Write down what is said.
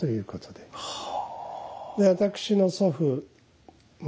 で私の祖父ま